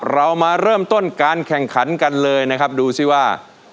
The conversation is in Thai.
เรามาเริ่มต้นการแข่งขันกันเลยนะครับดูสิว่า